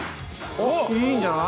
あ、いいんじゃない？